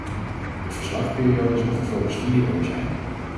De verslagperiode zal vervolgens vier jaar zijn.